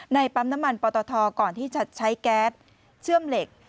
ปั๊มน้ำมันปตทก่อนที่จะใช้แก๊สเชื่อมเหล็ก